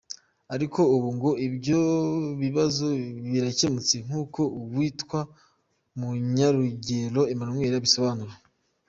Ariko ubu ngo ibyo bibazo birakemutse; nkuko uwitwa Munyarugero Emmanuel abisobanura.